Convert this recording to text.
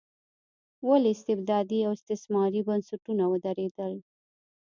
ولې استبدادي او استثماري بنسټونه ودرېدل.